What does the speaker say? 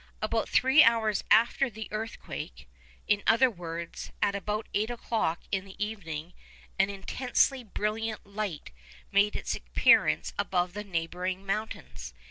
About three hours after the earthquake—in other words, at about eight o'clock in the evening—an intensely brilliant light made its appearance above the neighbouring mountains.